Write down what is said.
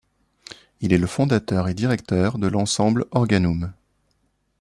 Il est le fondateur et directeur de l'Ensemble Organum.